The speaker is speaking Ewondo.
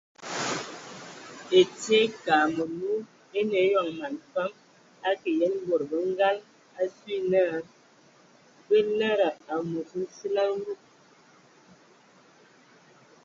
Ɛtie ekag məlu eine eyɔŋ man fam akə yen bod bə ngal asu na bə lede amos nsili alug.